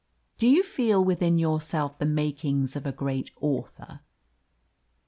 "Do you feel within yourself the makings of a great author?"